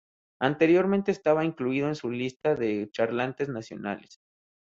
Anteriormente estaba incluido en su lista de Charlatanes Nacionales.